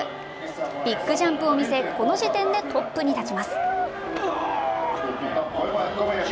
ビッグジャンプを見せ、この時点でトップに立ちます。